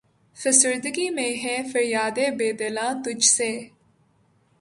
فسردگی میں ہے فریادِ بے دلاں تجھ سے